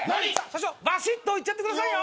社長ばしっといっちゃってくださいよ！